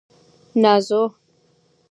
نازو